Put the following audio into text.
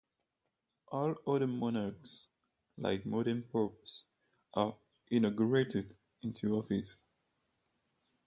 All others monarchs, like modern popes, are "inaugurated" into office.